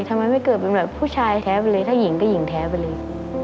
ทำไมไม่เกิดเป็นแบบผู้ชายแท้ไปเลยถ้าหญิงก็หญิงแท้ไปเลย